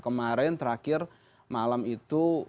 kemarin terakhir malam itu